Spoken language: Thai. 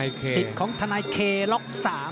ศิษย์ของธนายเคล็ก๓